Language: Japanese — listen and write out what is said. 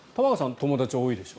友達多いでしょ？